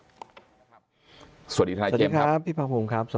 แล้วก็ย้ำว่าจะเดินหน้าเรียกร้องความยุติธรรมให้ถึงที่สุด